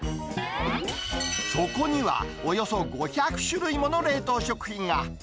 そこにはおよそ５００種類もの冷凍食品が。